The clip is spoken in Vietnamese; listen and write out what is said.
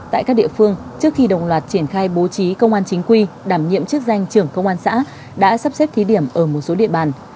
tại các địa phương trước khi đồng loạt triển khai bố trí công an chính quy đảm nhiệm chức danh trưởng công an xã đã sắp xếp thí điểm ở một số địa bàn